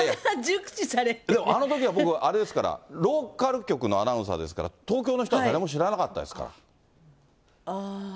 あのときは僕あれですから、ローカル局のアナウンサーですから、東京の人は誰も知らなかったあー。